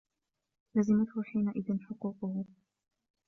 لَزِمَتْهُ حِينَئِذٍ حُقُوقُهُ